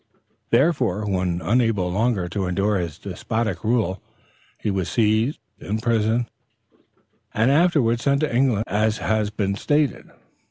Therefore, when unable longer to endure his despotic rule, he was seized, imprisoned and afterward sent to England as has been stated.